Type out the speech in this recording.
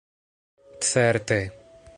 Certe!